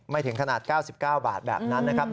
ถึงขนาด๙๙บาทแบบนั้นนะครับ